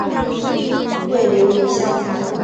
为琉球乡最短乡道。